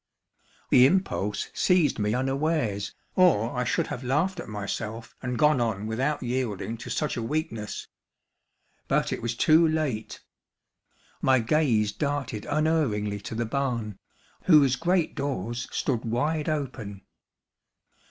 The impulse seized me unawares, or I should have laughed at myself and gone on without yielding to such a weakness. But it was too late. My gaze darted unerringly to the barn, whose great doors stood wide open.